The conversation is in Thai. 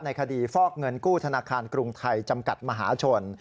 คดีฟอกเงินกู้ธนาคารกรุงไทยจำกัดมหาชน